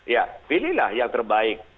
ya pilihlah yang terbaik